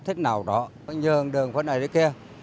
thế nào đó nhường đường phía này đến kia